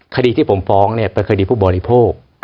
คดีที่ผมฟ้องเนี่ยเป็นคดีผู้บริโภค